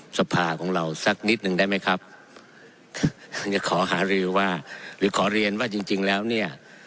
สภาของเราสักนิดหนึ่งได้ไหมครับจะขอหารือว่าหรือขอเรียนว่าจริงจริงแล้วเนี่ย